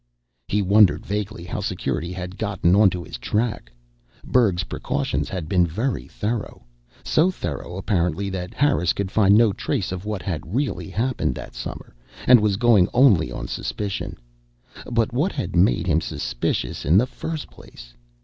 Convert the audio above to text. He wondered vaguely how Security had gotten onto his track. Berg's precautions had been very thorough. So thorough, apparently, that Harris could find no trace of what had really happened that summer, and was going only on suspicion. But what had made him suspicious in the first place?